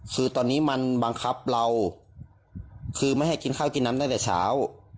คือตอนนี้มันบังคับเราคือไม่ให้กินข้าวกินน้ำตั้งแต่เช้า